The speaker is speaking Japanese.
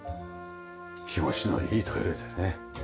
気持ちのいいトイレでね。